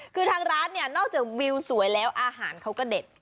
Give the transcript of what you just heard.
คือทางร้านเนี่ยนอกจากวิวสวยแล้วอาหารเขาก็เด็ด